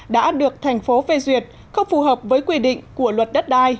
đã được thành phố phê duyệt không phù hợp với quy định